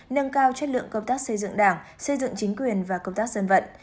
nâng cao chất lượng công tác xây dựng đảng xây dựng chính quyền và công tác dân vận